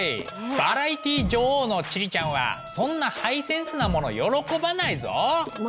バラエティー女王の千里ちゃんはそんなハイセンスなもの喜ばないぞ！